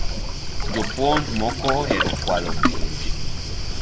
Jopuonj moko ohero kualo penj